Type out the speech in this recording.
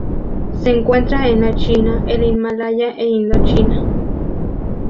Se encuentra en la China, el Himalaya e Indochina.